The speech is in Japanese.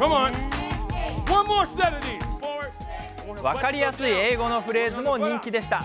分かりやすい英語のフレーズも人気でした。